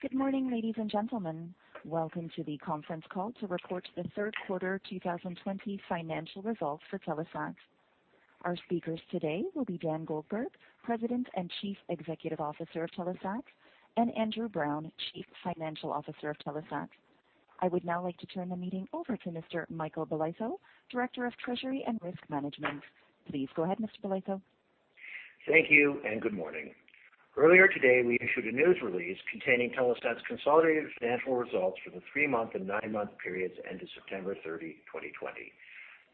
Good morning, ladies and gentlemen. Welcome to the conference call to report the third quarter 2020 financial results for Telesat. Our speakers today will be Dan Goldberg, President and Chief Executive Officer of Telesat, and Andrew Browne, Chief Financial Officer of Telesat. I would now like to turn the meeting over to Mr. Michael Bolitho, Director of Treasury and Risk Management. Please go ahead, Mr. Bolitho. Thank you, and good morning. Earlier today, we issued a news release containing Telesat's consolidated financial results for the three-month and nine-month periods ending September 30, 2020.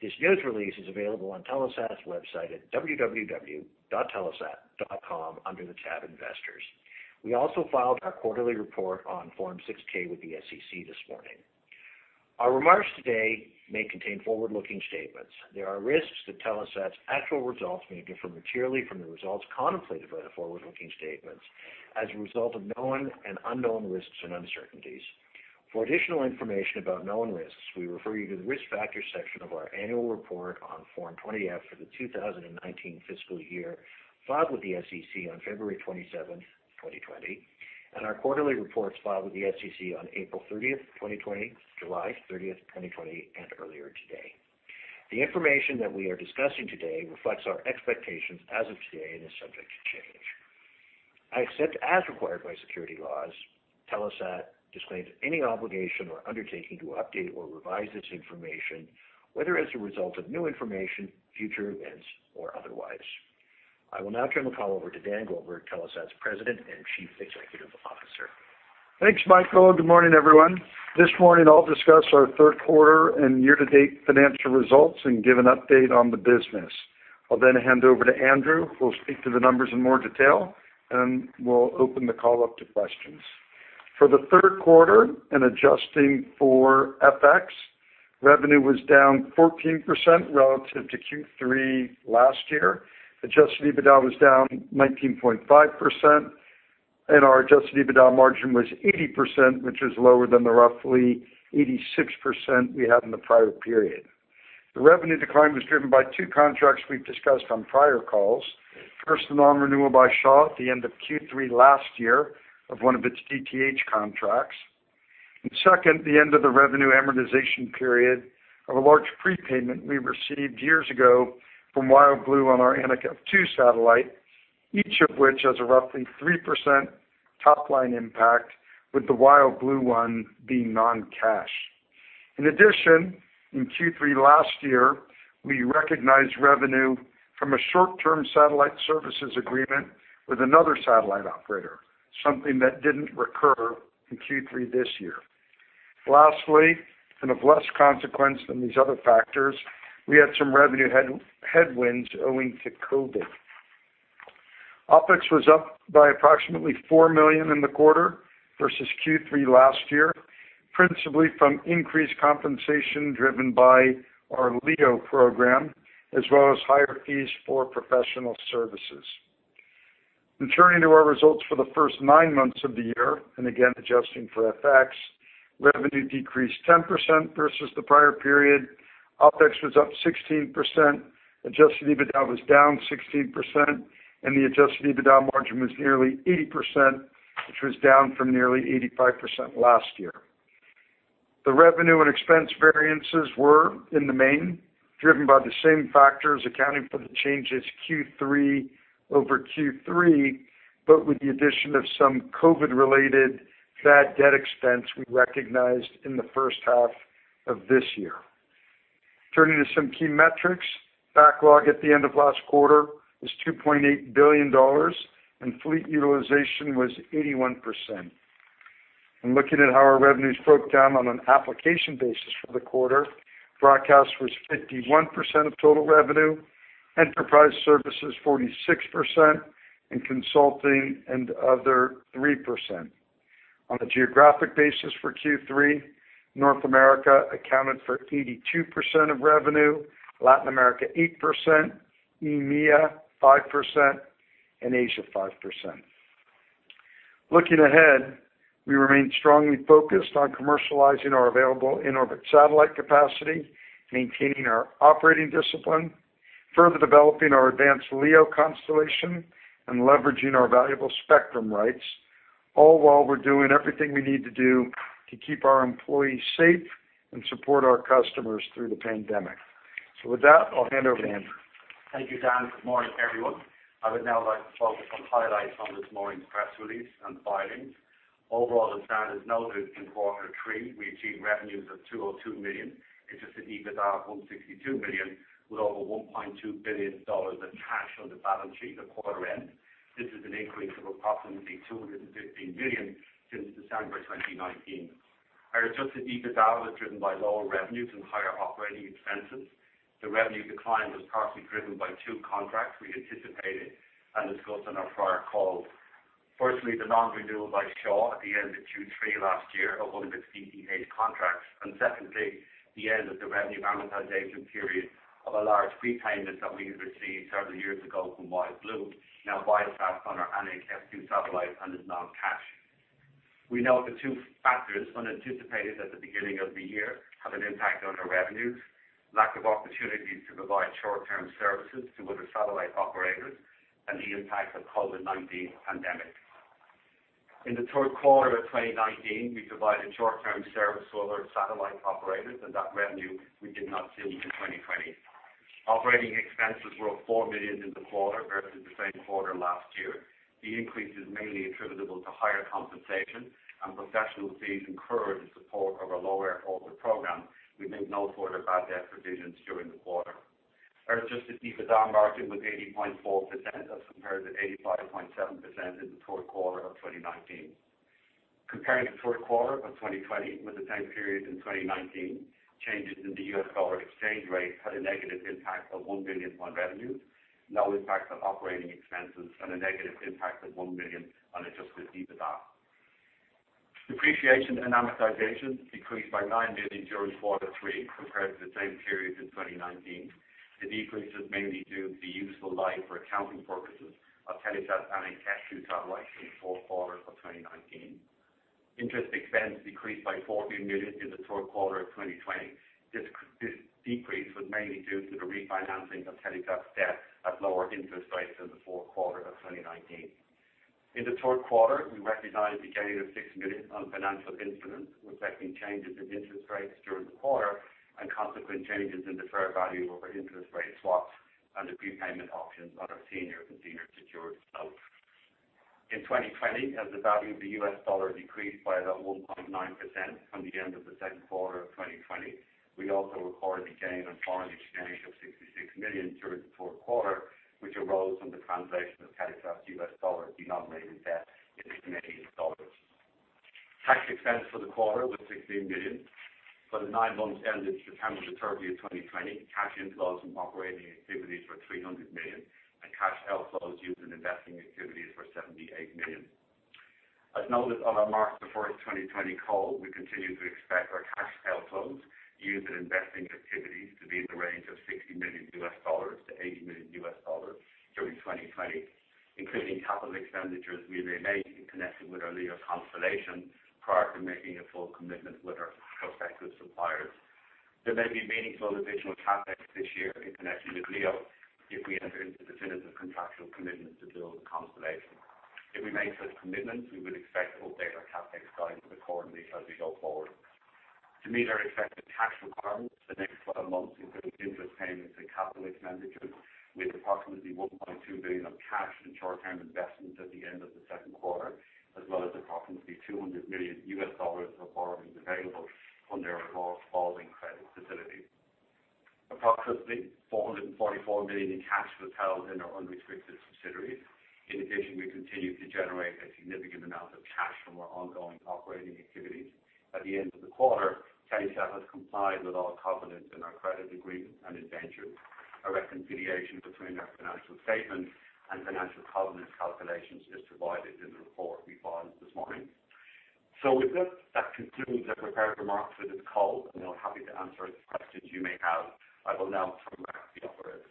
This news release is available on Telesat's website at www.telesat.com under the tab Investors. We also filed our quarterly report on Form 6-K with the SEC this morning. Our remarks today may contain forward-looking statements. There are risks that Telesat's actual results may differ materially from the results contemplated by the forward-looking statements as a result of known and unknown risks and uncertainties. For additional information about known risks, we refer you to the Risk Factors section of our annual report on Form 20-F for the 2019 fiscal year, filed with the SEC on February 27th, 2020, and our quarterly reports filed with the SEC on April 30th, 2020, July 30th, 2020, and earlier today. The information that we are discussing today reflects our expectations as of today and is subject to change. Except as required by securities laws, Telesat disclaims any obligation or undertaking to update or revise this information, whether as a result of new information, future events, or otherwise. I will now turn the call over to Dan Goldberg, Telesat's President and Chief Executive Officer. Thanks, Michael. Good morning, everyone. This morning, I'll discuss our third quarter and year-to-date financial results and give an update on the business. I'll then hand over to Andrew, who will speak to the numbers in more detail, and we'll open the call up to questions. For the third quarter and adjusting for FX, revenue was down 14% relative to Q3 last year. Adjusted EBITDA was down 19.5%, and our adjusted EBITDA margin was 80%, which is lower than the roughly 86% we had in the prior period. The revenue decline was driven by two contracts we've discussed on prior calls. First, the non-renewal by Shaw at the end of Q3 last year of one of its DTH contracts. Second, the end of the revenue amortization period of a large prepayment we received years ago from WildBlue on our Anik F2 satellite, each of which has a roughly 3% top-line impact, with the WildBlue one being non-cash. In addition, in Q3 last year, we recognized revenue from a short-term satellite services agreement with another satellite operator, something that didn't recur in Q3 this year. Lastly, and of less consequence than these other factors, we had some revenue headwinds owing to COVID. OpEx was up by approximately 4 million in the quarter versus Q3 last year, principally from increased compensation driven by our LEO program, as well as higher fees for professional services. In turning to our results for the first nine months of the year, again, adjusting for FX, revenue decreased 10% versus the prior period. OpEx was up 16%, adjusted EBITDA was down 16%, and the adjusted EBITDA margin was nearly 80%, which was down from nearly 85% last year. The revenue and expense variances were, in the main, driven by the same factors accounting for the changes Q3 over Q3, but with the addition of some COVID related bad debt expense we recognized in the first half of this year. Turning to some key metrics, backlog at the end of last quarter was 2.8 billion dollars, and fleet utilization was 81%. In looking at how our revenues broke down on an application basis for the quarter, broadcast was 51% of total revenue, enterprise services 46%, and consulting and other 3%. On a geographic basis for Q3, North America accounted for 82% of revenue, Latin America 8%, EMEA 5%, and Asia 5%. Looking ahead, we remain strongly focused on commercializing our available in-orbit satellite capacity, maintaining our operating discipline, further developing our advanced LEO constellation, and leveraging our valuable spectrum rights, all while we're doing everything we need to do to keep our employees safe and support our customers through the pandemic. With that, I'll hand over to Andrew. Thank you, Dan. Good morning, everyone. I would now like to focus on highlights from this morning's press release and filings. Overall, as Dan has noted, in quarter three, we achieved revenues of 202 million, adjusted EBITDA of 162 million, with over 1.2 billion dollars of cash on the balance sheet at quarter end. This is an increase of approximately 215 million since December 2019. Our adjusted EBITDA was driven by lower revenues and higher operating expenses. The revenue decline was partly driven by two contracts we anticipated and discussed on our prior call. Firstly, the non-renewal by Shaw at the end of Q3 last year of one of its DTH contracts, and secondly, the end of the revenue amortization period of a large prepayment that we had received several years ago from WildBlue, now Viasat, on our Anik F2 satellite and is non-cash. We note the two factors unanticipated at the beginning of the year have an impact on our revenues. Lack of opportunities to provide short-term services to other satellite operators, and the impact of COVID-19 pandemic. In the third quarter of 2019, we provided short-term service to other satellite operators, and that revenue we did not see in 2020. Operating expenses were up 4 million in the quarter versus the same quarter last year. The increase is mainly attributable to higher compensation and professional fees incurred in support of our LEO program. We made no further bad debt provisions during the quarter. Our adjusted EBITDA margin was 80.4%, as compared to 85.7% in the third quarter of 2019. Comparing the third quarter of 2020 with the same period in 2019, changes in the U.S. dollar exchange rate had a negative impact of 1 million on revenue, no impact on operating expenses, and a negative impact of 1 million on adjusted EBITDA. Depreciation and amortization decreased by 9 million during quarter three compared to the same period in 2019. The decrease is mainly due to the useful life for accounting purposes of Telesat's Anik F2 satellite in the fourth quarter of 2019. Interest expense decreased by 14 million in the third quarter of 2020. This decrease was mainly due to the refinancing of Telesat's debt at lower interest rates in the fourth quarter of 2019. In the third quarter, we recognized a gain of 6 million on financial instruments, reflecting changes in interest rates during the quarter and consequent changes in the fair value of our interest rate swaps and prepayment options on our senior and senior secured loans. In 2020, as the value of the US dollar decreased by about 1.9% from the end of the third quarter of 2020, we also recorded a gain on foreign exchange of 66 million during the third quarter, which arose from the translation of Telesat's US dollar denominated debt into Canadian dollars. Tax expense for the quarter was 16 million. For the nine months ended September 30th, 2020, cash inflows from operating activities were 300 million, and cash outflows used in investing activities were 78 million. As noted on our March 1st, 2020 call, we continue to expect our cash outflows used in investing activities to be in the range of CAD 60 million-CAD 80 million during 2020, including capital expenditures we may make in connection with our LEO constellation prior to making a full commitment with our prospective suppliers. There may be meaningful additional CapEx this year in connection with LEO if we enter into definitive contractual commitments to build the constellation. If we make such commitments, we would expect to update our CapEx guidance accordingly as we go forward. To meet our expected cash requirements for the next 12 months, including interest payments and capital expenditures, we had approximately 1.2 billion of cash and short-term investments at the end of the second quarter, as well as approximately CAD 200 million of borrowings available under our revolving credit facility. Approximately 444 million in cash was held in our unrestricted subsidiaries. In addition, we continue to generate a significant amount of cash from our ongoing operating activities. At the end of the quarter, Telesat has complied with all covenants in our credit agreement and indentures. A reconciliation between our financial statements and financial covenant calculations is provided in the report we filed this morning. With that concludes our prepared remarks for this call, and I'm happy to answer any questions you may have. I will now turn it back to the operator.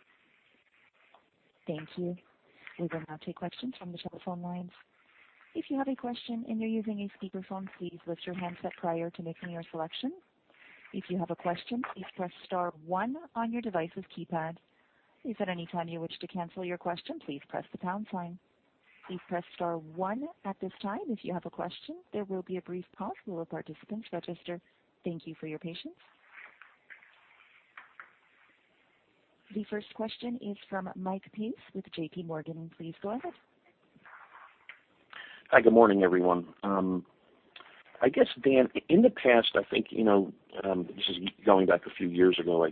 Thank you. We will now take questions from the telephone lines. If you have a question and you're using a speakerphone, please lift your handset prior to making your selection. If you have a question, please press star one on your device's keypad. If at any time you wish to cancel your question, please press the pound sign. Please press star one at this time if you have a question. There will be a brief pause while the participants register. Thank you for your patience. The first question is from Mike Pace with JPMorgan. Please go ahead. Hi, good morning, everyone. Dan, in the past, this is going back a few years ago,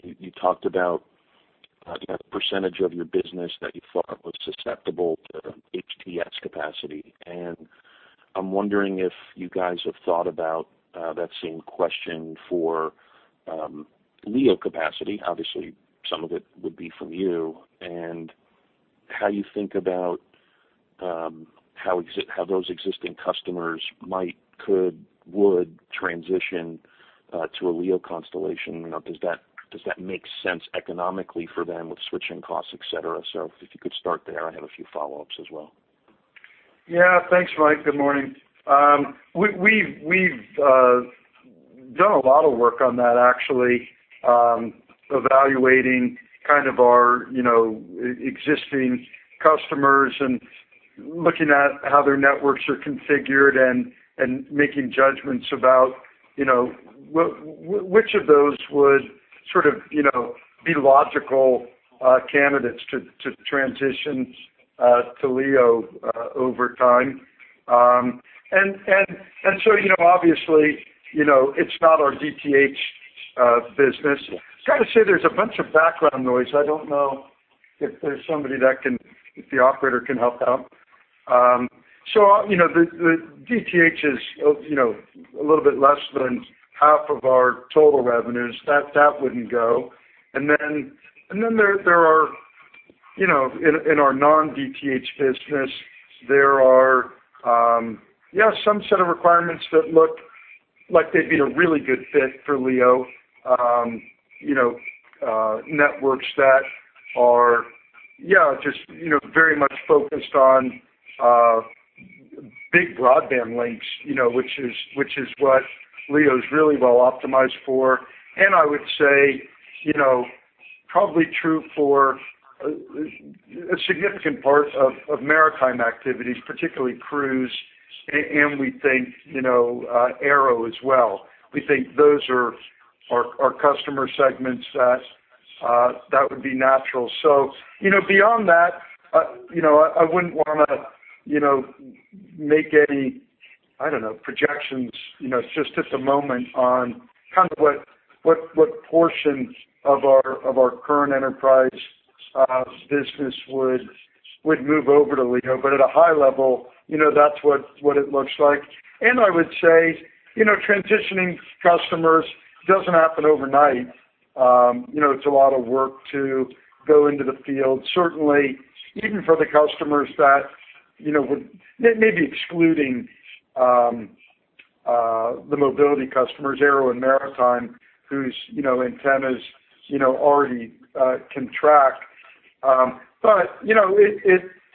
you talked about a percentage of your business that you thought was susceptible to HTS capacity. I'm wondering if you guys have thought about that same question for LEO capacity. Obviously, some of it would be from you, how you think about how those existing customers might, could, would transition to a LEO constellation. Does that make sense economically for them with switching costs, et cetera? If you could start there, I have a few follow-ups as well. Yeah. Thanks, Mike. Good morning. We've done a lot of work on that, actually, evaluating our existing customers and looking at how their networks are configured and making judgments about which of those would be logical candidates to transition to LEO over time. Obviously, it's not our DTH business. Got to say, there's a bunch of background noise. I don't know if the operator can help out. The DTH is a little bit less than half of our total revenues. That wouldn't go. In our non-DTH business, there are some set of requirements that look like they'd be a really good fit for LEO. Networks that are just very much focused on big broadband links, which is what LEO's really well optimized for. I would say, probably true for a significant part of maritime activities, particularly cruise, and we think aero as well. We think those are our customer segments that would be natural. Beyond that I wouldn't want to make any, I don't know, projections just at the moment on kind of what portions of our current enterprise business would move over to LEO. At a high level, that's what it looks like. I would say, transitioning customers doesn't happen overnight. It's a lot of work to go into the field. Certainly, even for the customers that would, maybe excluding the mobility customers, aero and maritime, whose antennas already can track.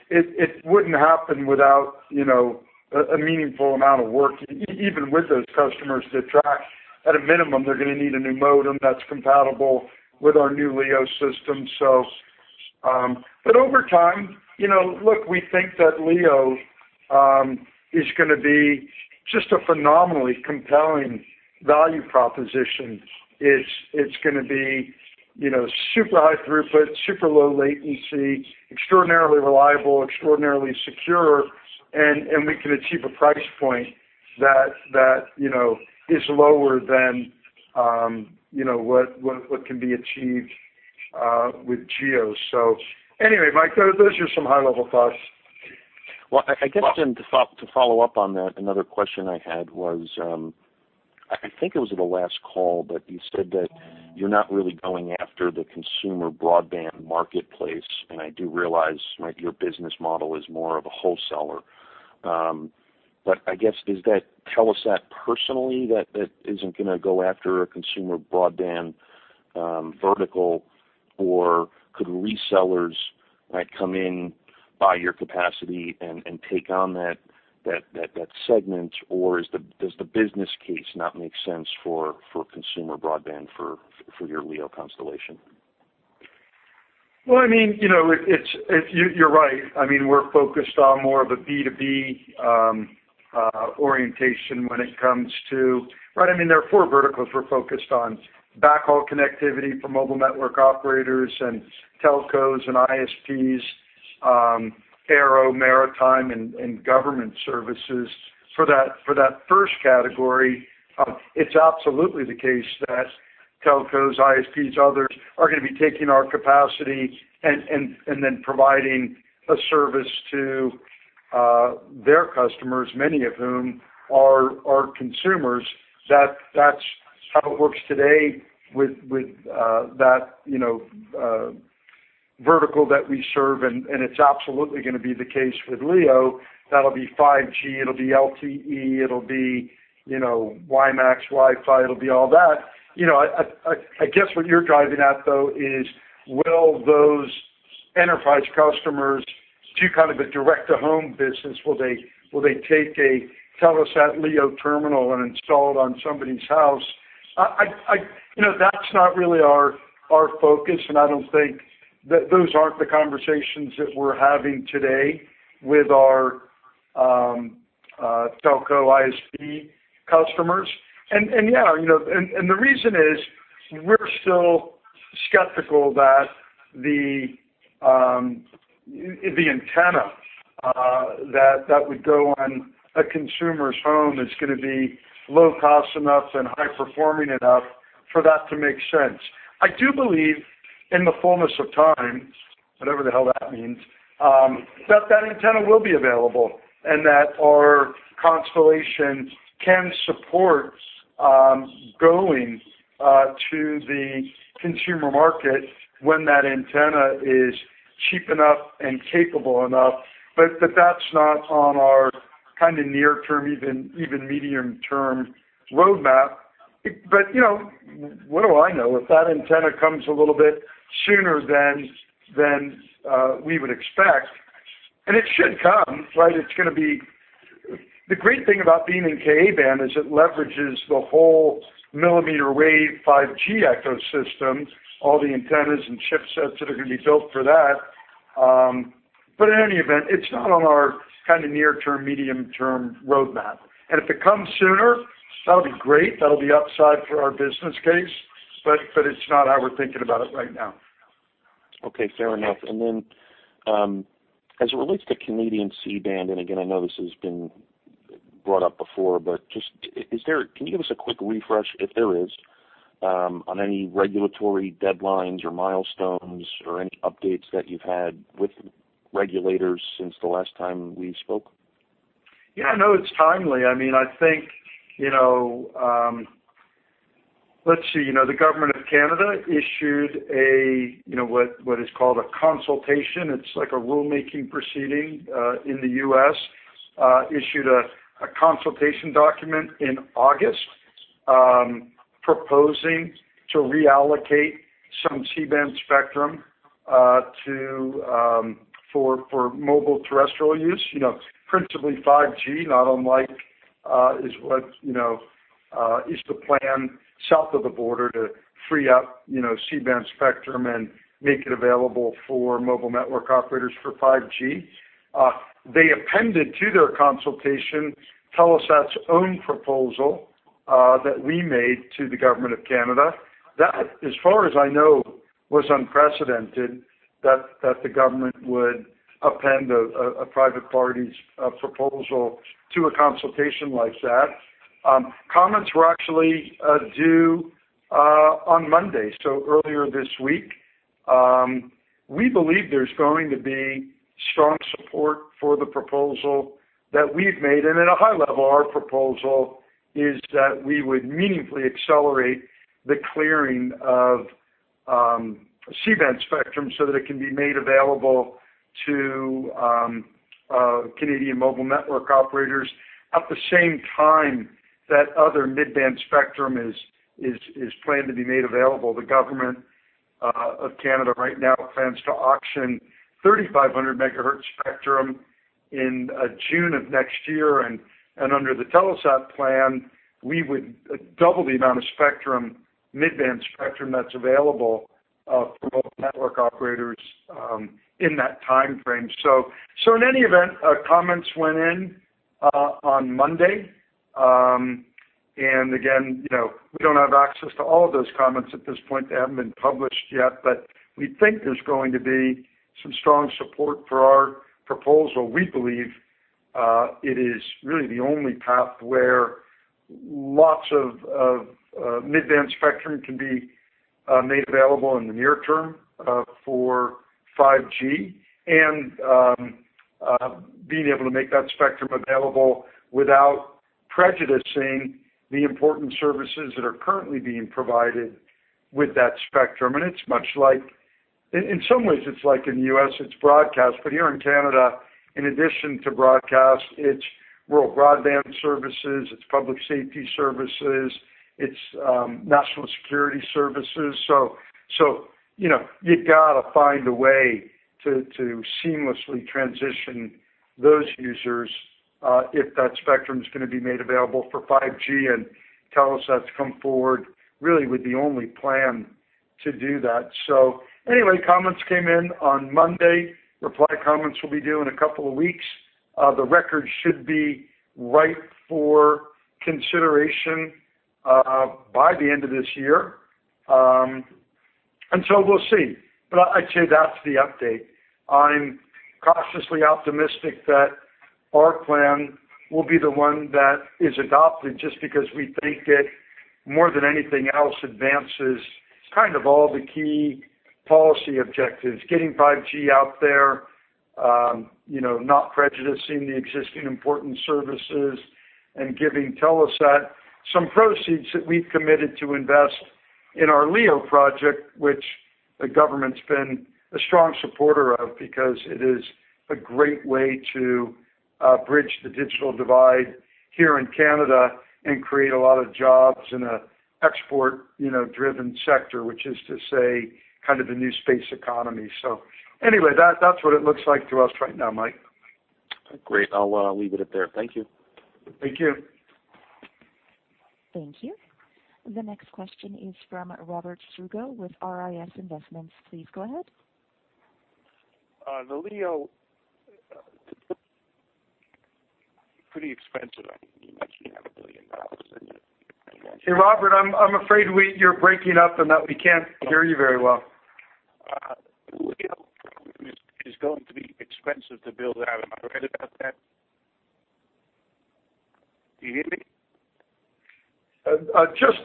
It wouldn't happen without a meaningful amount of work, even with those customers to track. At a minimum, they're going to need a new modem that's compatible with our new LEO system. Over time, look, we think that LEO is going to be just a phenomenally compelling value proposition. It's going to be super high throughput, super low latency, extraordinarily reliable, extraordinarily secure, and we can achieve a price point that is lower than what can be achieved with GEO. Anyway, Mike, those are some high-level thoughts. I guess then to follow up on that, another question I had was, I think it was at the last call, but you said that you're not really going after the consumer broadband marketplace, and I do realize your business model is more of a wholesaler. I guess, does that Telesat personally that it isn't going to go after a consumer broadband vertical, or could resellers might come in, buy your capacity, and take on that segment, or does the business case not make sense for consumer broadband for your LEO constellation? You're right. We're focused on more of a B2B orientation. There are four verticals we're focused on. Backhaul connectivity for mobile network operators and telcos and ISPs, aero, maritime, and government services. For that first category, it's absolutely the case that telcos, ISPs, others, are going to be taking our capacity and then providing a service to their customers, many of whom are consumers. That's how it works today with that vertical that we serve, and it's absolutely going to be the case with LEO. That'll be 5G, it'll be LTE, it'll be WiMAX, Wi-Fi, it'll be all that. I guess what you're driving at, though, is will those enterprise customers do kind of a direct-to-home business? Will they take a Telesat LEO terminal and install it on somebody's house? That's not really our focus, and I don't think that those aren't the conversations that we're having today with our telco ISP customers. The reason is we're still skeptical that the antenna that would go on a consumer's home is going to be low cost enough and high performing enough for that to make sense. I do believe in the fullness of time, whatever the hell that means, that that antenna will be available, and that our constellation can support going to the consumer market when that antenna is cheap enough and capable enough. That's not on our kind of near term, even medium term roadmap. What do I know? If that antenna comes a little bit sooner than we would expect, and it should come. The great thing about being in Ka-band is it leverages the whole millimeter wave 5G ecosystem, all the antennas and chipsets that are going to be built for that. In any event, it's not on our kind of near term, medium term roadmap. If it comes sooner, that'll be great. That'll be upside for our business case, but it's not how we're thinking about it right now. Okay, fair enough. As it relates to Canadian C-band, I know this has been brought up before, can you give us a quick refresh, if there is, on any regulatory deadlines or milestones or any updates that you've had with regulators since the last time we spoke? No, it's timely. Let's see. The government of Canada issued what is called a consultation. It's like a rulemaking proceeding in the U.S. Issued a consultation document in August proposing to reallocate some C-band spectrum for mobile terrestrial use. Principally 5G, not unlike is the plan south of the border to free up C-band spectrum and make it available for mobile network operators for 5G. They appended to their consultation Telesat's own proposal that we made to the government of Canada. That, as far as I know, was unprecedented, that the government would append a private party's proposal to a consultation like that. Comments were actually due on Monday, earlier this week. We believe there's going to be strong support for the proposal that we've made. At a high level, our proposal is that we would meaningfully accelerate the clearing of C-band spectrum so that it can be made available to Canadian mobile network operators at the same time that other mid-band spectrum is planned to be made available. The government of Canada right now plans to auction 3,500 MHz spectrum in June of next year, and under the Telesat plan, we would double the amount of mid-band spectrum that's available for mobile network operators in that timeframe. In any event, comments went in on Monday. Again, we don't have access to all of those comments at this point. They haven't been published yet. We think there's going to be some strong support for our proposal. We believe it is really the only path where lots of mid-band spectrum can be made available in the near term for 5G, and being able to make that spectrum available without prejudicing the important services that are currently being provided with that spectrum. In some ways it's like in the U.S., it's broadcast. Here in Canada, in addition to broadcast, it's rural broadband services, it's public safety services, it's national security services. You've got to find a way to seamlessly transition those users if that spectrum's going to be made available for 5G, and Telesat's come forward really with the only plan to do that. Anyway, comments came in on Monday. Reply comments will be due in a couple of weeks. The record should be ripe for consideration by the end of this year. We'll see. I'd say that's the update. I'm cautiously optimistic that our plan will be the one that is adopted just because we think it, more than anything else, advances all the key policy objectives. Getting 5G out there, not prejudicing the existing important services, and giving Telesat some proceeds that we've committed to invest in our LEO project, which the government's been a strong supporter of because it is a great way to bridge the digital divide here in Canada and create a lot of jobs in an export-driven sector, which is to say, the new space economy. Anyway, that's what it looks like to us right now, Mike. Great. I'll leave it at there. Thank you. Thank you. Thank you. The next question is from Robert Strougo with RIS Investments. Please go ahead. The LEO pretty expensive. I mean, you mentioned you have CAD 1 billion. Hey, Robert, I'm afraid you're breaking up and that we can't hear you very well. The LEO program is going to be expensive to build out. Am I right about that? Do you hear me?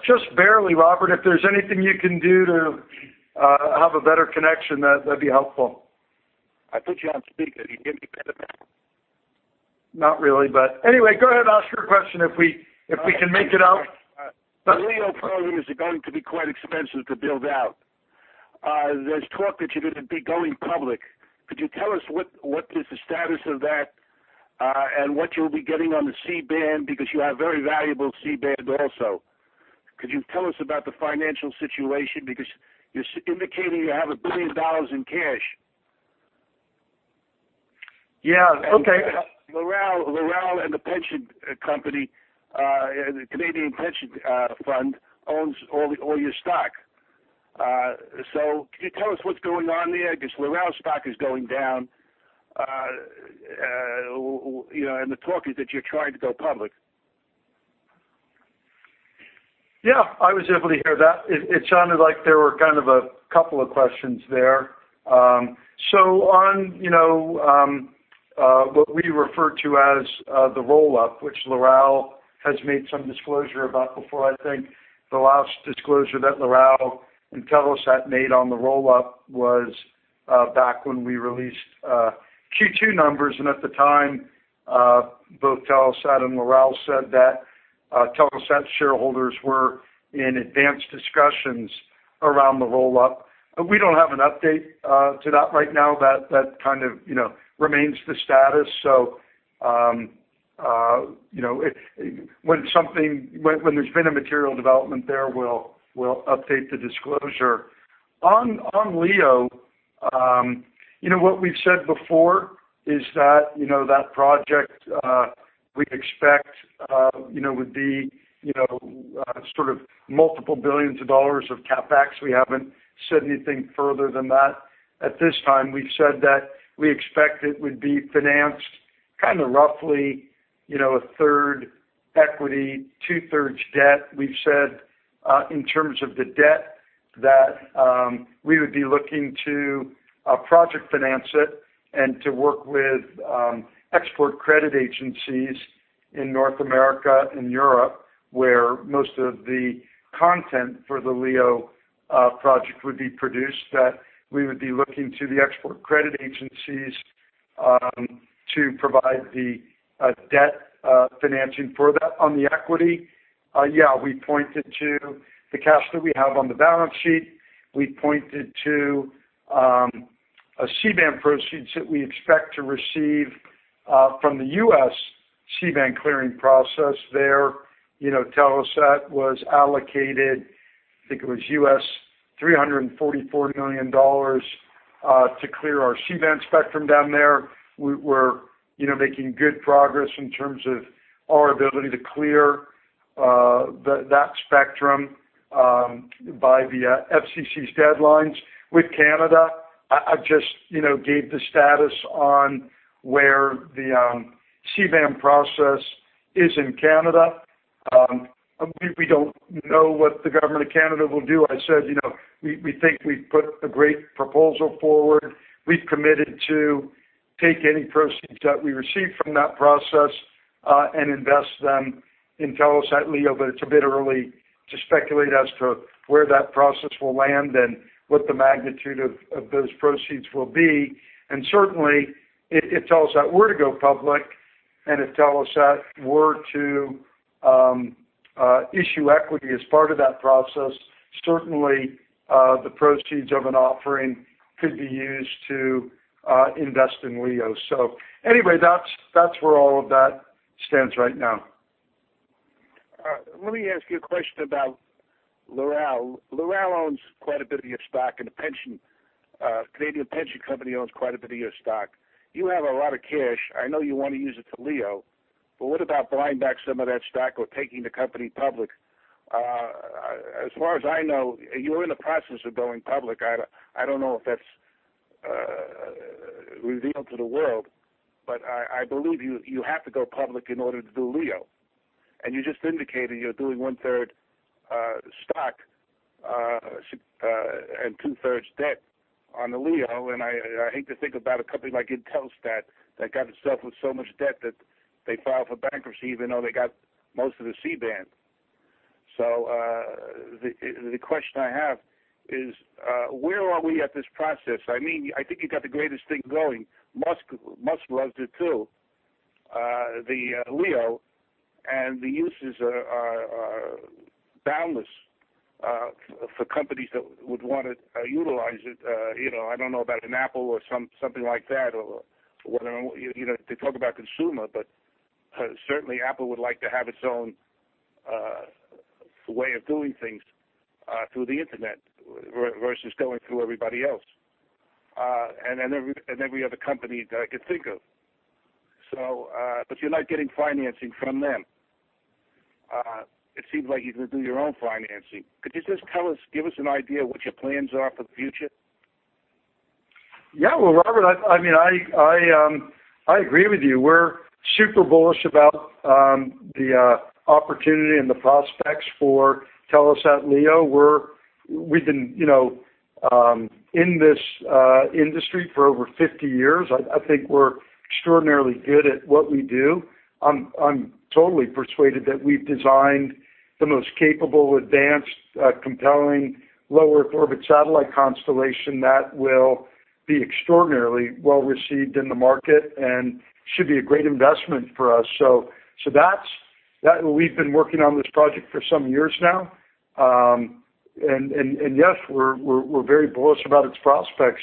Just barely, Robert. If there's anything you can do to have a better connection, that'd be helpful. I put you on speaker. Do you hear me better now? Not really, but anyway, go ahead and ask your question if we can make it out. The LEO program is going to be quite expensive to build out. There's talk that you're going to be going public. Could you tell us what is the status of that? What you'll be getting on the C-band, because you have very valuable C-band also. Could you tell us about the financial situation? You're indicating you have 1 billion dollars in cash. Yeah. Okay. Loral and the pension company, the Canadian pension fund, owns all your stock. Could you tell us what's going on there? Loral stock is going down, and the talk is that you're trying to go public. Yeah, I was able to hear that. It sounded like there were a couple of questions there. On what we refer to as the roll-up, which Loral has made some disclosure about before, I think the last disclosure that Loral and Telesat made on the roll-up was back when we released Q2 numbers, and at the time, both Telesat and Loral said that Telesat shareholders were in advanced discussions around the roll-up. We don't have an update to that right now. That remains the status. When there's been a material development there, we'll update the disclosure. On LEO, what we've said before is that project, we expect, would be sort of multiple billions of dollars of CapEx. We haven't said anything further than that at this time. We've said that we expect it would be financed roughly a third equity, 2/3 debt. We've said, in terms of the debt, that we would be looking to project finance it and to work with export credit agencies in North America and Europe, where most of the content for the LEO program would be produced, that we would be looking to the export credit agencies to provide the debt financing for that. On the equity, yeah, we pointed to the cash that we have on the balance sheet. We pointed to a C-band proceeds that we expect to receive from the U.S. C-band clearing process there. Telesat was allocated, I think it was $344 million to clear our C-band spectrum down there. We're making good progress in terms of our ability to clear that spectrum by the FCC's deadlines. Canada, I just gave the status on where the C-band process is in Canada. We don't know what the government of Canada will do. I said, we think we've put a great proposal forward. We've committed to take any proceeds that we receive from that process, and invest them in Telesat LEO. It's a bit early to speculate as to where that process will land and what the magnitude of those proceeds will be. Certainly, if Telesat were to go public, and if Telesat were to issue equity as part of that process, certainly, the proceeds of an offering could be used to invest in LEO. Anyway, that's where all of that stands right now. All right. Let me ask you a question about Loral. Loral owns quite a bit of your stock, and a Canadian pension company owns quite a bit of your stock. You have a lot of cash. What about buying back some of that stock or taking the company public? As far as I know, you're in the process of going public. I don't know if that's revealed to the world, but I believe you have to go public in order to do LEO. You just indicated you're doing one-third stock, and 2/3 debt on the LEO. I hate to think about a company like Intelsat that got itself with so much debt that they filed for bankruptcy even though they got most of the C-band. The question I have is, where are we at this process? I think you've got the greatest thing going. Musk loves it, too, the LEO. The uses are boundless, for companies that would want to utilize it. I don't know about an Apple or something like that, or whatever. They talk about consumer, certainly Apple would like to have its own way of doing things, through the internet, versus going through everybody else, and every other company that I could think of. You're not getting financing from them. It seems like you're going to do your own financing. Could you just give us an idea what your plans are for the future? Well, Robert, I agree with you. We're super bullish about the opportunity and the prospects for Telesat LEO. We've been in this industry for over 50 years. I think we're extraordinarily good at what we do. I'm totally persuaded that we've designed the most capable, advanced, compelling low Earth orbit satellite constellation that will be extraordinarily well-received in the market and should be a great investment for us. That we've been working on this project for some years now. Yes, we're very bullish about its prospects.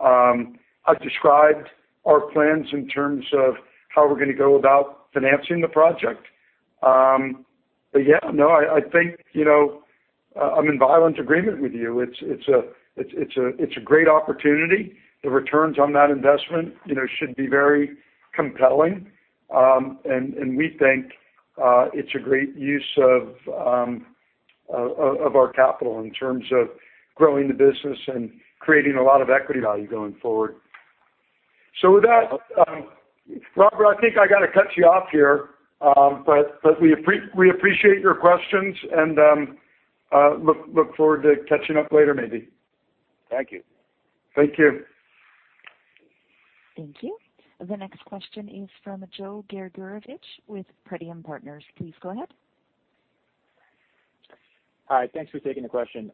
I've described our plans in terms of how we're going to go about financing the project. Yeah, no, I think, I'm in violent agreement with you. It's a great opportunity. The returns on that investment should be very compelling. We think it's a great use of our capital in terms of growing the business and creating a lot of equity value going forward. With that, Robert, I think I got to cut you off here. We appreciate your questions and look forward to catching up later, maybe. Thank you. Thank you. Thank you. The next question is from Joe Ghergurovich with Pretium Partners. Please go ahead. Hi. Thanks for taking the question.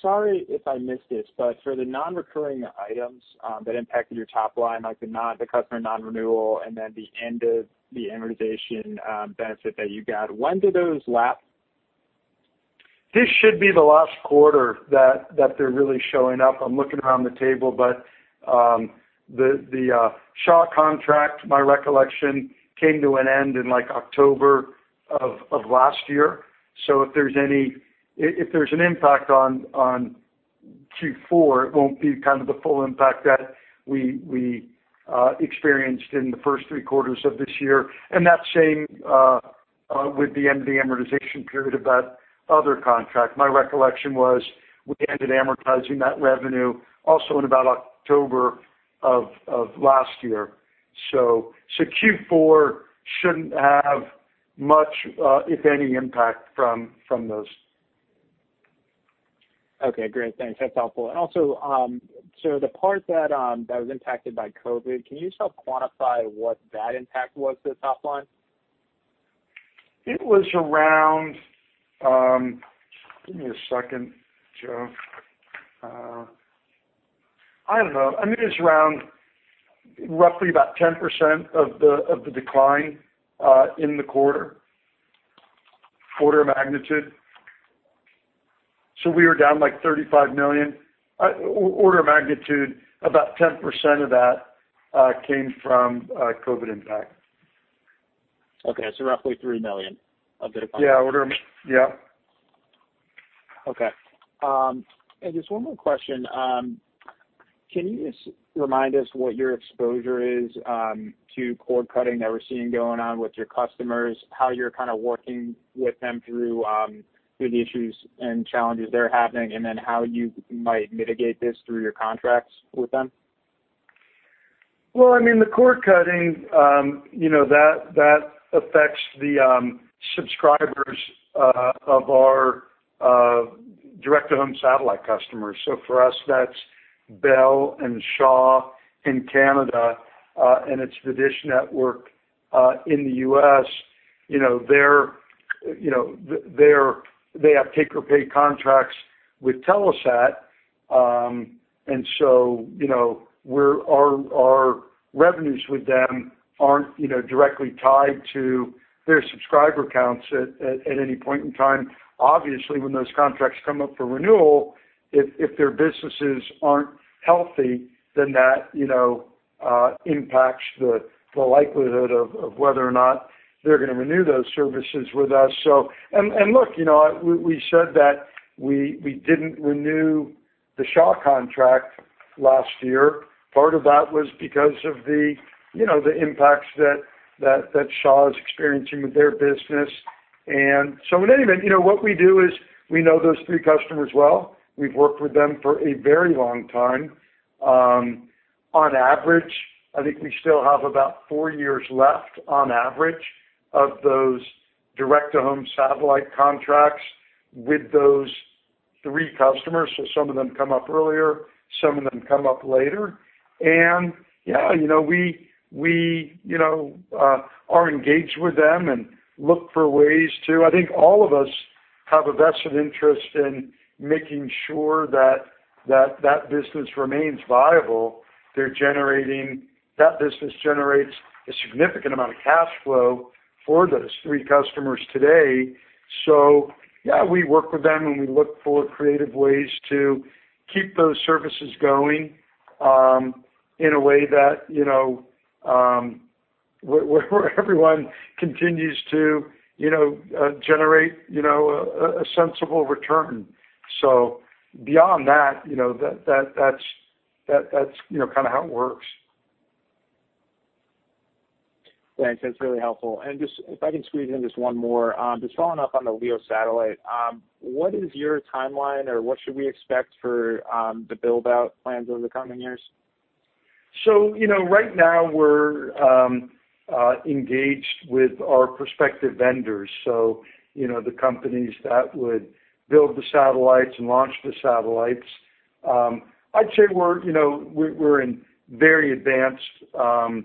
Sorry if I missed this, for the non-recurring items that impacted your top line, like the customer non-renewal and then the end of the amortization benefit that you got, when do those lap? This should be the last quarter that they're really showing up. I'm looking around the table, the Shaw contract, my recollection, came to an end in October of last year. If there's an impact on Q4, it won't be the full impact that we experienced in the first three quarters of this year. That same with the end of the amortization period of that other contract. My recollection was we ended amortizing that revenue also in about October of last year. Q4 shouldn't have much, if any, impact from those. Okay, great. Thanks. That's helpful. Also, the part that was impacted by COVID, can you still quantify what that impact was to the top line? Give me a second, Joe. I don't know. I think it was around roughly about 10% of the decline in the quarter. Order of magnitude. We were down, like, 35 million. Order of magnitude, about 10% of that came from COVID impact. Okay, roughly 3 million of it. Yeah. Okay. Just one more question. Can you just remind us what your exposure is to cord cutting that we're seeing going on with your customers, how you're kind of working with them through the issues and challenges they're having, and then how you might mitigate this through your contracts with them? The cord cutting, that affects the subscribers of our direct-to-home satellite customers. For us, that's Bell and Shaw in Canada, and it's the Dish Network in the U.S. They have take or pay contracts with Telesat, our revenues with them aren't directly tied to their subscriber counts at any point in time. Obviously, when those contracts come up for renewal, if their businesses aren't healthy, then that impacts the likelihood of whether or not they're going to renew those services with us. We said that we didn't renew the Shaw contract last year. Part of that was because of the impacts that Shaw is experiencing with their business. In any event, what we do is we know those three customers well. We've worked with them for a very long time. On average, I think we still have about four years left on average of those direct-to-home satellite contracts with those three customers. Some of them come up earlier, some of them come up later. Yeah, we are engaged with them and look for ways to. I think all of us have a vested interest in making sure that that business remains viable. That business generates a significant amount of cash flow for those three customers today. Yeah, we work with them, and we look for creative ways to keep those services going in a way that where everyone continues to generate a sensible return. Beyond that's kind of how it works. Thanks. That's really helpful. If I can squeeze in just one more, just following up on the LEO satellite. What is your timeline or what should we expect for the build-out plans over the coming years? Right now we're engaged with our prospective vendors, so the companies that would build the satellites and launch the satellites. I'd say we're in very advanced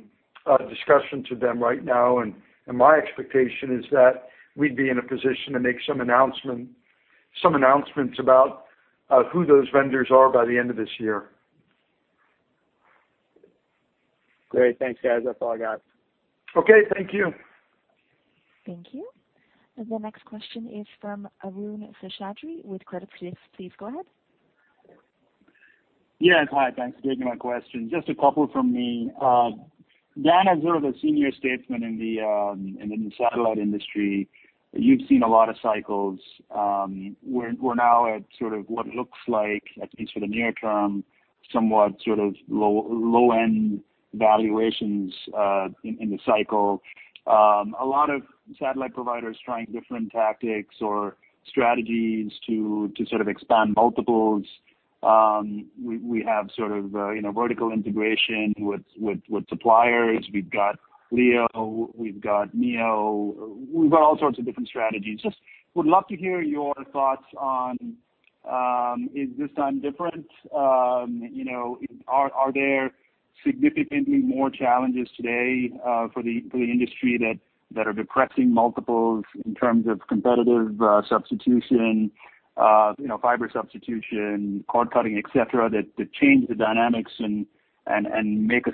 discussions with them right now, and my expectation is that we'd be in a position to make some announcements about who those vendors are by the end of this year. Great. Thanks, guys. That's all I got. Okay. Thank you. Thank you. The next question is from Arun Seshadri with Credit Suisse. Please go ahead. Yes. Hi. Thanks for taking my question. Just a couple from me. Dan, as sort of a senior statesman in the satellite industry, you've seen a lot of cycles. We're now at what looks like, at least for the near term, somewhat low-end valuations in the cycle. A lot of satellite providers trying different tactics or strategies to sort of expand multiples. We have sort of vertical integration with suppliers. We've got LEO, we've got MEO, we've got all sorts of different strategies. Would love to hear your thoughts on, is this time different? Are there significantly more challenges today for the industry that are depressing multiples in terms of competitive substitution, fiber substitution, cord-cutting, et cetera, that change the dynamics and make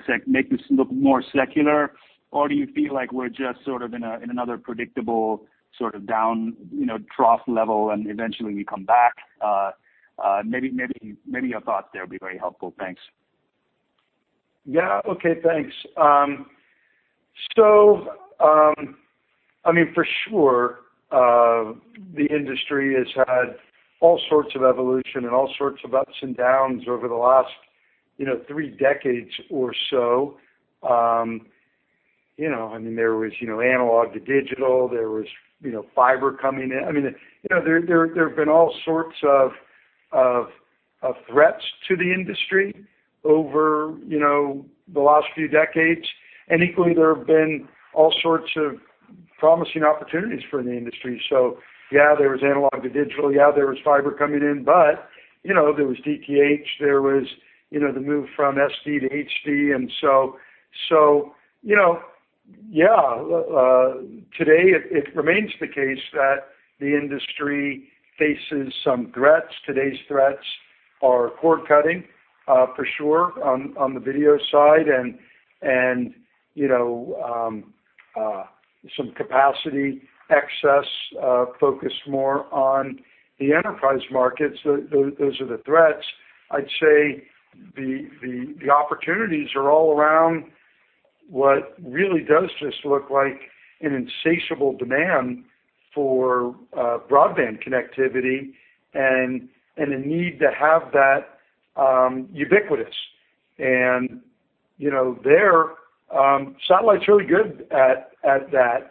this look more secular? Do you feel like we're just in another predictable down trough level, and eventually we come back? Maybe your thoughts there would be very helpful. Thanks. Yeah. Okay, thanks. For sure, the industry has had all sorts of evolution and all sorts of ups and downs over the last three decades or so. There was analog to digital. There was fiber coming in. There have been all sorts of threats to the industry over the last few decades, and equally, there have been all sorts of promising opportunities for the industry. Yeah, there was analog to digital. Yeah, there was fiber coming in, but there was DTH. There was the move from SD to HD, and so, yeah. Today, it remains the case that the industry faces some threats. Today's threats are cord-cutting, for sure, on the video side, and some capacity excess focused more on the enterprise markets. Those are the threats. I'd say the opportunities are all around what really does just look like an insatiable demand for broadband connectivity and a need to have that ubiquitous. There, satellite's really good at that.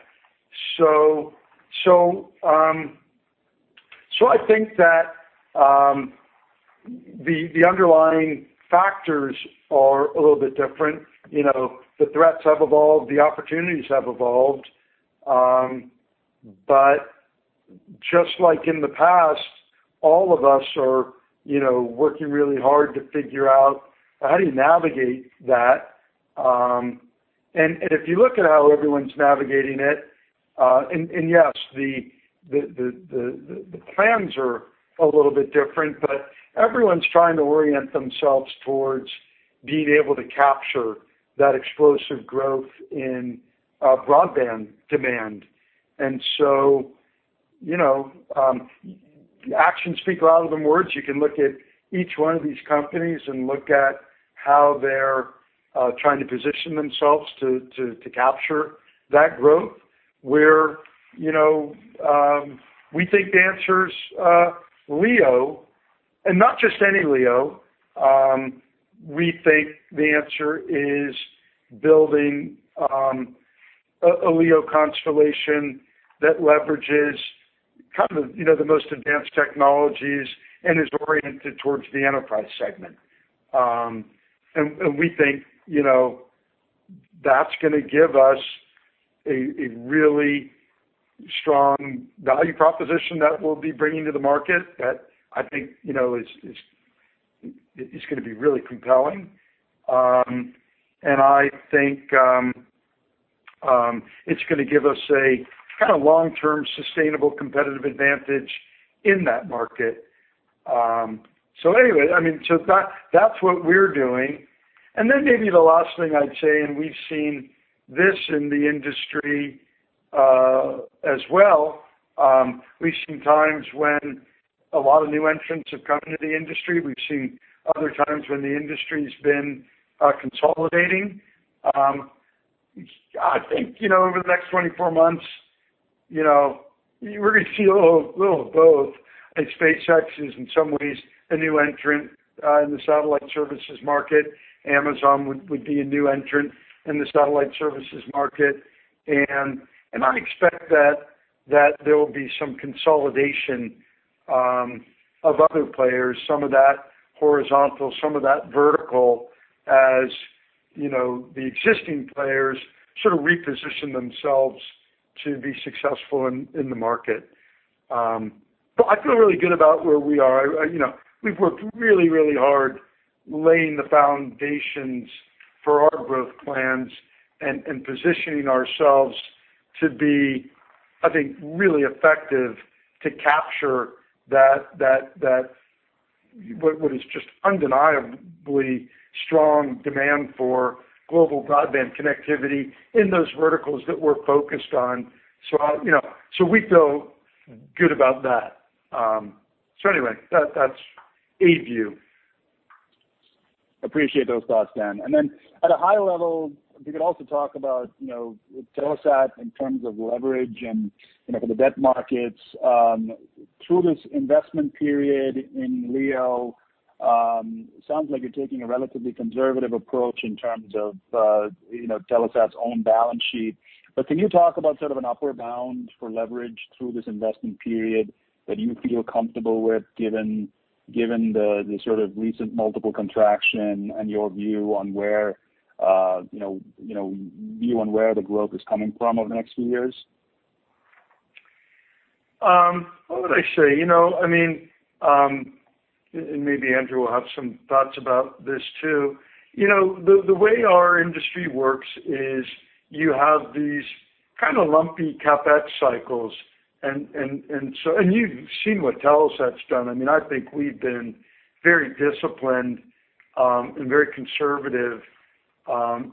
I think that the underlying factors are a little bit different. The threats have evolved. The opportunities have evolved. Just like in the past, all of us are working really hard to figure out how do you navigate that. If you look at how everyone's navigating it, and yes, the plans are a little bit different, but everyone's trying to orient themselves towards being able to capture that explosive growth in broadband demand. Actions speak louder than words. You can look at each one of these companies and look at how they're trying to position themselves to capture that growth, where we think the answer's LEO, and not just any LEO. We think the answer is building a LEO constellation that leverages the most advanced technologies and is oriented towards the enterprise segment. We think that's going to give us a really strong value proposition that we'll be bringing to the market that I think is going to be really compelling. I think it's going to give us a long-term sustainable competitive advantage in that market. Anyway, that's what we're doing. Then maybe the last thing I'd say, and we've seen this in the industry as well, we've seen times when a lot of new entrants have come into the industry. We've seen other times when the industry's been consolidating. I think over the next 24 months, we're going to see a little of both as SpaceX is, in some ways, a new entrant in the satellite services market. Amazon would be a new entrant in the satellite services market. I expect that there will be some consolidation of other players, some of that horizontal, some of that vertical, as the existing players reposition themselves to be successful in the market. I feel really good about where we are. We've worked really hard laying the foundations for our growth plans and positioning ourselves to be, I think, really effective to capture what is just undeniably strong demand for global broadband connectivity in those verticals that we're focused on. We feel good about that. Anyway, that's a view. Appreciate those thoughts, Dan. At a high level, if you could also talk about Telesat in terms of leverage and for the debt markets through this investment period in LEO. Sounds like you're taking a relatively conservative approach in terms of Telesat's own balance sheet. But can you talk about an upper bound for leverage through this investment period that you feel comfortable with, given the recent multiple contraction and your view on where the growth is coming from over the next few years? What would I say? Maybe Andrew will have some thoughts about this too. The way our industry works is you have these lumpy CapEx cycles, and you've seen what Telesat's done. I think we've been very disciplined and very conservative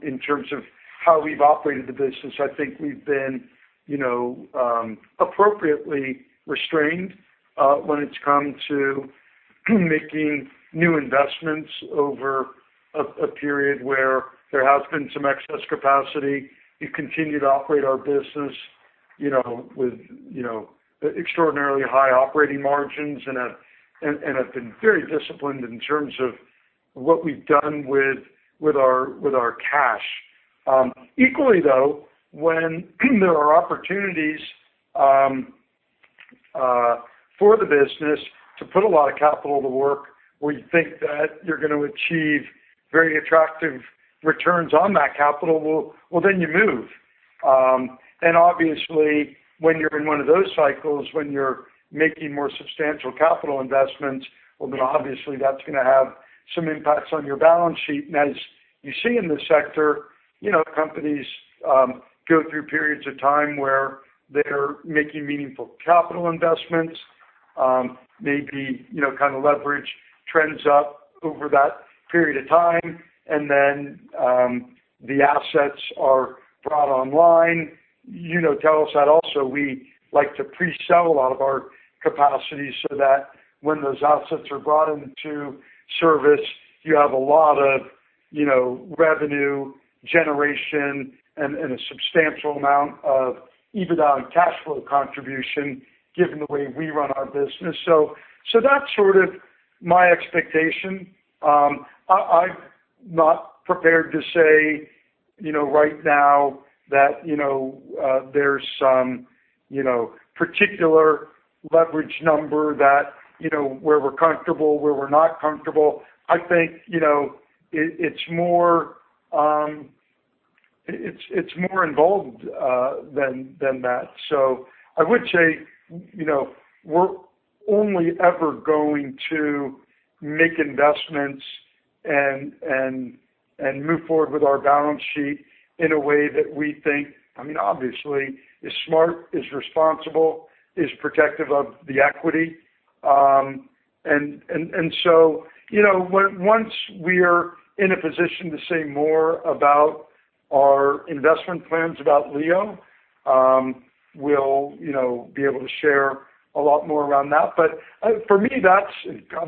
in terms of how we've operated the business. I think we've been appropriately restrained when it's come to making new investments over a period where there has been some excess capacity. We've continued to operate our business with extraordinarily high operating margins and have been very disciplined in terms of what we've done with our cash. Equally, though, when there are opportunities for the business to put a lot of capital to work where you think that you're going to achieve very attractive returns on that capital, well, then you move. Obviously when you're in one of those cycles, when you're making more substantial capital investments, well, then obviously that's going to have some impacts on your balance sheet. As you see in the sector, companies go through periods of time where they're making meaningful capital investments. Maybe leverage trends up over that period of time and then the assets are brought online. Telesat also, we like to pre-sell a lot of our capacity so that when those assets are brought into service, you have a lot of revenue generation and a substantial amount of EBITDA and cash flow contribution given the way we run our business. That's sort of my expectation. I'm not prepared to say right now that there's some particular leverage number that where we're comfortable, where we're not comfortable. I think it's more involved than that. I would say, we're only ever going to make investments and move forward with our balance sheet in a way that we think, obviously, is smart, is responsible, is protective of the equity. Once we're in a position to say more about our investment plans about LEO, we'll be able to share a lot more around that. For me, God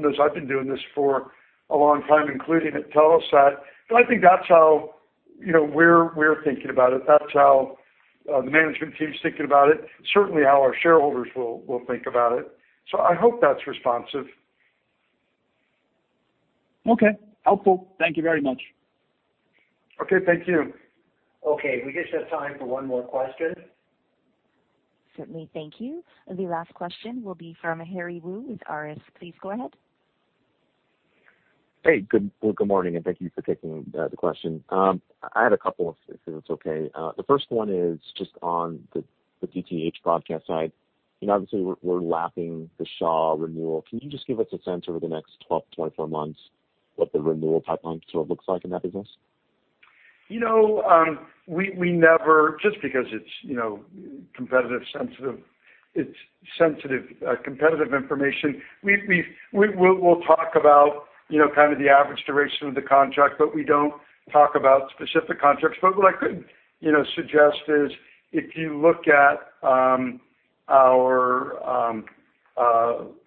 knows I've been doing this for a long time, including at Telesat, but I think that's how we're thinking about it. That's how the management team's thinking about it, and certainly how our shareholders will think about it. I hope that's responsive. Okay, helpful. Thank you very much. Okay. Thank you. Okay. We just have time for one more question. Certainly. Thank you. The last question will be from Harry Wu with RS. Please go ahead. Hey, good morning, thank you for taking the question. I had a couple if it's okay. The first one is just on the DTH broadcast side. Obviously we're lapping the Shaw renewal. Can you just give us a sense over the next 12 to 24 months what the renewal pipeline sort of looks like in that business? We never, just because it's sensitive, competitive information. We'll talk about kind of the average duration of the contract, but we don't talk about specific contracts. What I could suggest is, if you look at our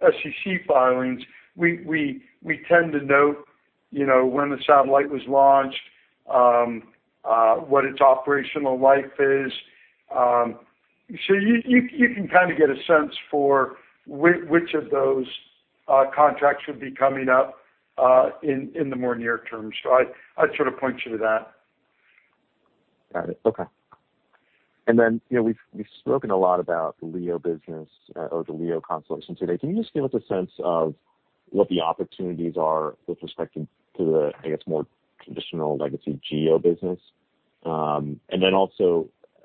SEC filings, we tend to note when the satellite was launched, what its operational life is. You can kind of get a sense for which of those contracts should be coming up in the more near term. I'd sort of point you to that. Got it. Okay. We've spoken a lot about the LEO business, or the LEO constellation today. Can you just give us a sense of what the opportunities are with respect to the, I guess, more traditional legacy GEO business?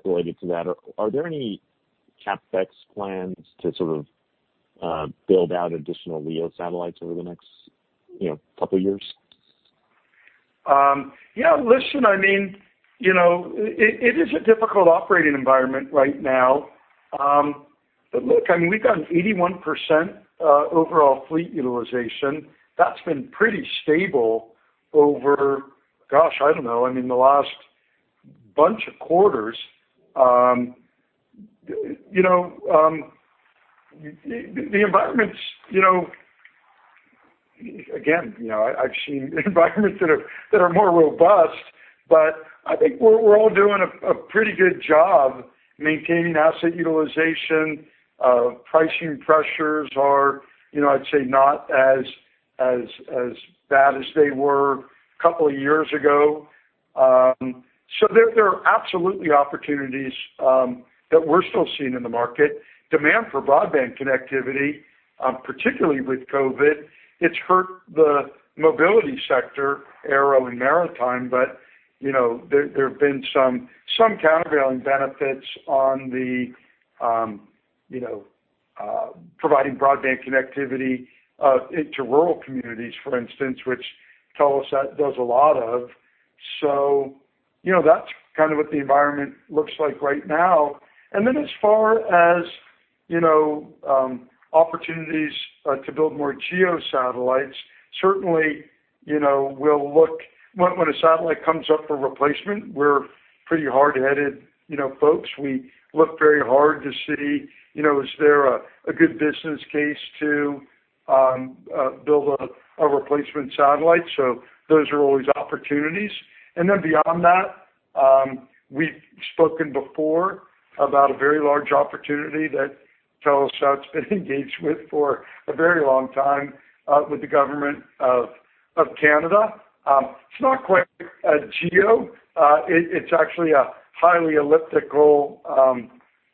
Related to that, are there any CapEx plans to sort of build out additional LEO satellites over the next couple of years? Yeah, listen, it is a difficult operating environment right now. Look, we've got an 81% overall fleet utilization. That's been pretty stable over, gosh, I don't know, the last bunch of quarters. The environment's, again, I've seen environments that are more robust, but I think we're all doing a pretty good job maintaining asset utilization. Pricing pressures are, I'd say not as bad as they were a couple of years ago. There are absolutely opportunities that we're still seeing in the market. Demand for broadband connectivity, particularly with COVID, it's hurt the mobility sector, aero and maritime. There've been some countervailing benefits providing broadband connectivity into rural communities, for instance, which Telesat does a lot of. That's kind of what the environment looks like right now. As far as opportunities to build more GEO satellites, certainly, when a satellite comes up for replacement, we're pretty hard-headed folks. We look very hard to see, is there a good business case to build a replacement satellite? Those are always opportunities. Beyond that, we've spoken before about a very large opportunity that Telesat's been engaged with for a very long time, with the government of Canada. It's not quite a GEO, it's actually a highly elliptical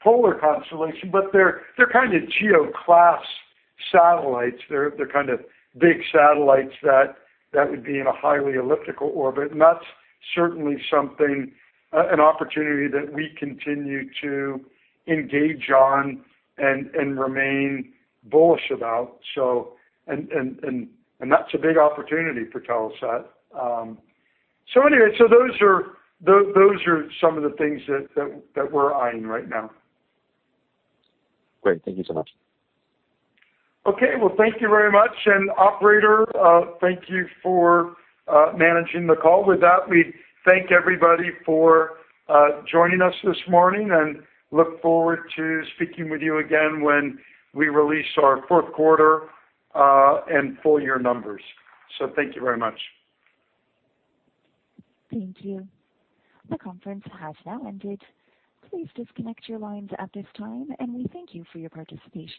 polar constellation, but they're kind of GEO class satellites. They're kind of big satellites that would be in a highly elliptical orbit. That's certainly an opportunity that we continue to engage on and remain bullish about. That's a big opportunity for Telesat. Those are some of the things that we're eyeing right now. Great. Thank you so much. Okay. Well, thank you very much. Operator, thank you for managing the call. With that, we thank everybody for joining us this morning, and look forward to speaking with you again when we release our fourth quarter and full year numbers. Thank you very much. Thank you. The conference has now ended. Please disconnect your lines at this time, and we thank you for your participation.